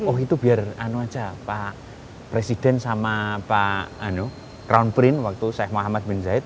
oh itu biar pak presiden sama pak crown prince waktu sheikh muhammad bin zayed